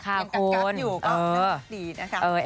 ยังกัดกักอยู่ก็ดี